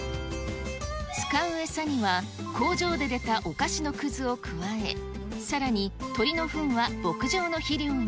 使う餌には、工場で出たお菓子のくずを加え、さらに鶏のふんは牧場の肥料に。